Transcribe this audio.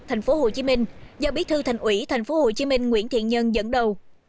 thành phố hồ chí minh do bí thư thành ủy thành phố hồ chí minh nguyễn thiện nhân dẫn đầu